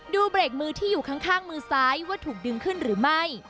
เบรกมือที่อยู่ข้างมือซ้ายว่าถูกดึงขึ้นหรือไม่